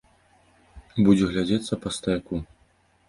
Будзе глядзецца па стаяку.